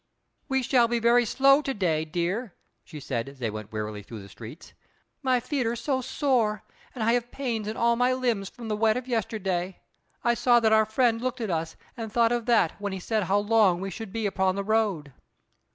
"We shall be very slow to day, dear," she said as they went wearily through the streets; "my feet are so sore, and I have pains in all my limbs from the wet of yesterday. I saw that our friend looked at us and thought of that when he said how long we should be upon the road."